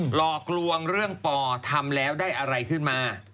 หลอกลวงเรื่องปอทำแล้วได้อะไรขึ้นมา